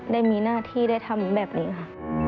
ได้มีหน้าที่ได้ทำแบบนี้ค่ะ